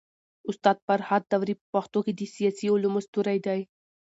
استاد فرهاد داوري په پښتو کي د سياسي علومو ستوری دی.